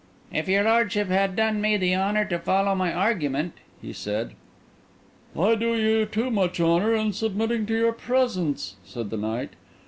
"If your lordship had done me the honour to follow my argument!" he said. "I do you too much honour in submitting to your presence," said the knight.